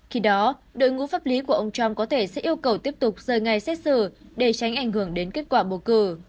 khi đó đội ngũ pháp lý của ông trump có thể sẽ yêu cầu tiếp tục rời ngày xét xử để tránh ảnh hưởng đến kết quả bầu cử